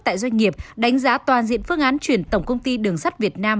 tại doanh nghiệp đánh giá toàn diện phương án chuyển tổng công ty đường sắt việt nam